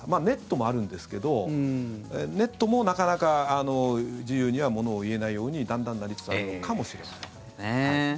ネットもあるんですけどネットも、なかなか自由にはものを言えないようにだんだんなりつつあるのかもしれない。